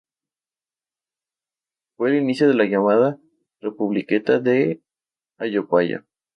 Fue el inicio de la llamada Republiqueta de Ayopaya.